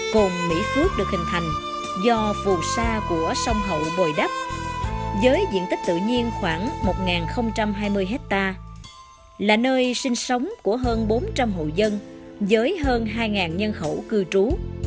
cồn mỹ phước được hình thành do phù sa của sông hậu bồi đắp với diện tích tự nhiên khoảng một hai mươi hectare là nơi sinh sống của hơn bốn trăm linh hộ dân với hơn hai nhân khẩu cư trú